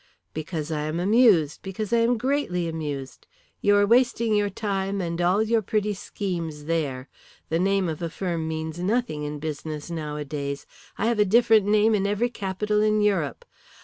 "Because I am amused, because I am greatly amused. You are wasting your time and all your pretty schemes there. The name of a firm means nothing in business nowadays. I have a different name in every capital in Europe.